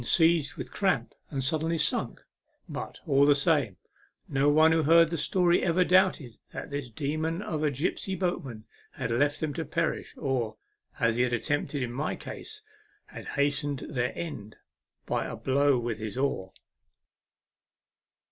seized with cramp and suddenly sunk ; but, all the same, no one who heard the story ever doubted that this demon of a gipsy boatman had left them to perish, or, as he had at tempted in my case, had hastened their end by a blow with his oar.